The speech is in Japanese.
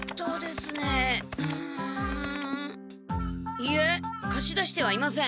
いいえ貸し出してはいません。